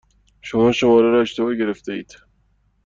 شما شماره را اشتباه گرفتهاید.